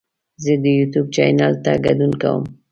زه د یوټیوب چینل ته ګډون کوم.